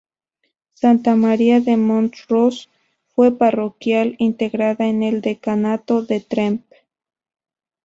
Santa María de Mont-ros fue parroquial, integrada en el Decanato de Tremp.